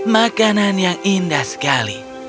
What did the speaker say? makanan yang indah sekali